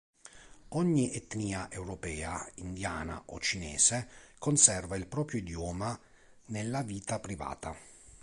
Ogni etnia europea, indiana o cinese, conserva il proprio idioma nella vita privata.